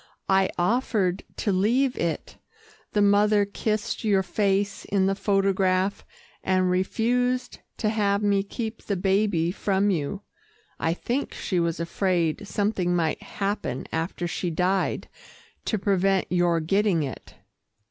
"I offered to leave it. The mother kissed your face in the photograph, and refused to have me keep the baby from you. I think she was afraid something might happen after she died to prevent your getting it."